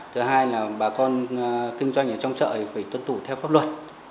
thứ hai là bà con kinh doanh ở trong chợ thì phải tuân tủ theo pháp luật